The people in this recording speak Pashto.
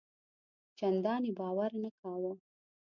چنداني باور نه کاوه.